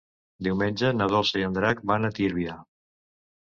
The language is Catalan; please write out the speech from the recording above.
Diumenge na Dolça i en Drac van a Tírvia.